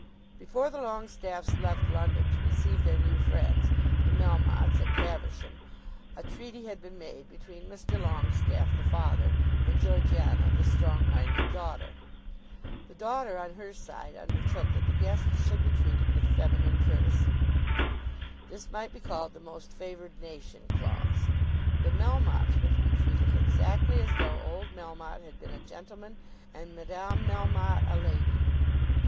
Before the Longestaffes left London to receive their new friends the Melmottes at Caversham, a treaty had been made between Mr. Longestaffe, the father, and Georgiana, the strong minded daughter. The daughter on her side undertook that the guests should be treated with feminine courtesy. This might be called the most favoured nation clause. The Melmottes were to be treated exactly as though old Melmotte had been a gentleman and Madame Melmotte a lady.